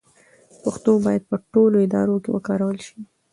پښتو باید په ټولو ادارو کې وکارول شي.